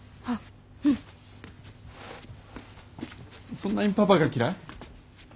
そんなにパパが嫌い？